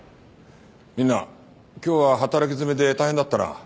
みんな今日は働き詰めで大変だったな。